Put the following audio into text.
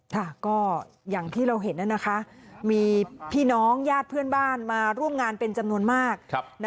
ค่ะก็อย่างที่เราเห็นมีพี่น้องญาติเพื่อนบ้านมาร่วมงานเป็นจำนวนมาก